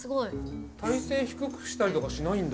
体勢低くしたりとかしないんだ。